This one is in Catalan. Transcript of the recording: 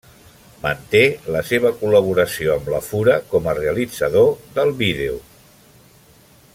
Manté la seva col·laboració amb La Fura com a realitzador del vídeo.